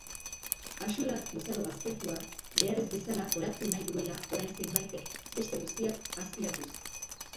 Axular luzaro baztertua, behar ez bezala goratu nahi duela orain zenbaitek, beste guztiak azpiratuz.